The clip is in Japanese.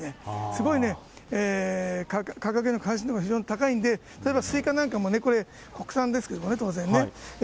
すごい価格への関心度が非常に高いんで、例えばスイカなんかもね、これ、国産ですけどね、当然ね。